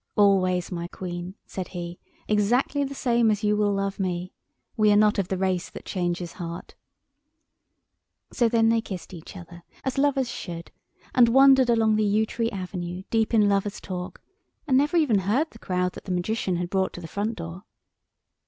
"Always, my Queen," said he, "exactly the same as you will love me. We are not of the race that changes heart." So then they kissed each other as lovers should, and wandered along the yew tree avenue deep in lovers' talk, and never even heard the crowd that the Magician had brought to the front door.